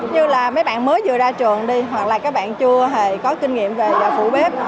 như là mấy bạn mới vừa ra trường đi hoặc là các bạn chưa hề có kinh nghiệm về phụ bếp